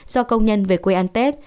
do công nhân về quê ăn tết